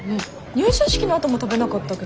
入社式のあとも食べなかったっけ？